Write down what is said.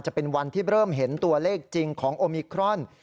จะเป็นวันที่เริ่มเห็นตัวเลขจริงของโอมิครอน